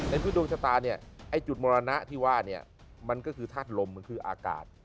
พฤษดวงชะตาเนี่ยไอ้จุดมรณะที่ว่าเนี่ยมันก็คือธาตุลมมันคืออากาศ